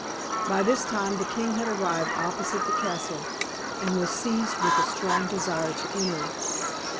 By this time the king had arrived opposite the castle, and was seized with a strong desire to enter it.